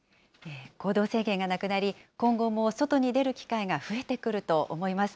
行動制限がなくなり、今後も外に出る機会が増えてくると思います。